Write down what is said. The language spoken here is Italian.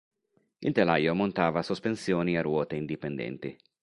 Il telaio montava sospensioni a ruote indipendenti.